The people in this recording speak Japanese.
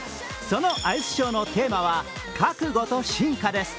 そのアイスショーのテーマは覚悟と進化です。